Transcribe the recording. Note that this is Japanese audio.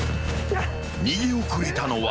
［逃げ遅れたのは亜生だ］